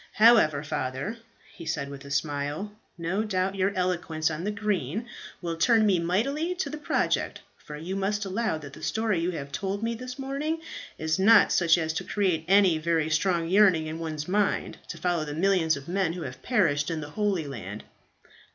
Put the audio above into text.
However, Father," he said, with a smile, "no doubt your eloquence on the green will turn me mightily to the project, for you must allow that the story you have told me this morning is not such as to create any very strong yearning in one's mind to follow the millions of men who have perished in the Holy Land."